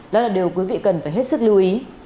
đó là điều quý vị cần phải hết sức lưu ý